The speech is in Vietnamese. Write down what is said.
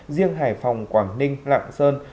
riêng hải phòng quảng ninh lạng sơn